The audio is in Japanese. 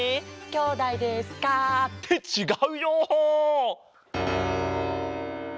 きょうだいですか？ってちがうよ！